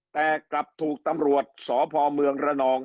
แต่กลับถูกตำรวจสพเมืองระนอง